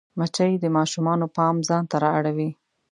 مچمچۍ د ماشومانو پام ځان ته رااړوي